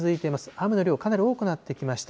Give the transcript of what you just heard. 雨の量、かなり多くなってきました。